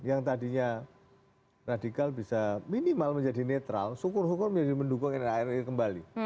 yang tadinya radikal bisa minimal menjadi netral sukur sukur menjadi mendukung kembali